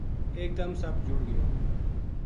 ایک دم سپ جُڑ گیو